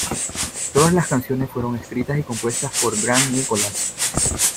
Todas las canciones fueron escritas y compuestas por Grant Nicholas.